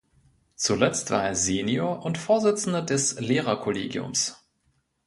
Zuletzt war er Senior und Vorsitzender des Lehrer-Collegiums.